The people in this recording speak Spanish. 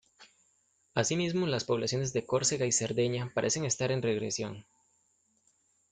Asimismo, las poblaciones de Córcega y Cerdeña parecen estar en regresión.